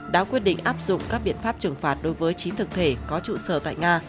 đã quyết định áp dụng các biện pháp trừng phạt đối với chín thực thể có trụ sở tại nga